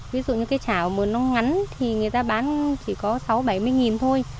ví dụ như cái chảo mùa nó ngắn thì người ta bán chỉ có sáu bảy mươi thôi